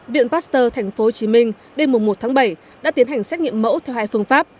viện pasteur tp hcm đêm một tháng bảy đã tiến hành xét nghiệm mẫu theo hai phương pháp